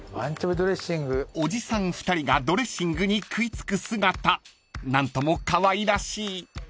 ［おじさん２人がドレッシングに食い付く姿何ともかわいらしい］